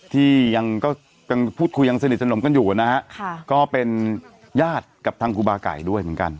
ที่ยังก็ยังพูดคุยยังสนิทสนมกันอยู่นะฮะก็เป็นญาติกับทางครูบาไก่ด้วยเหมือนกัน